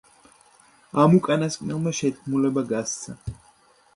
ამ უკანასკნელმა შეთქმულება გასცა.